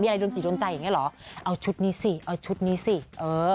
อะไรโดนผีโดนใจอย่างเงี้เหรอเอาชุดนี้สิเอาชุดนี้สิเออ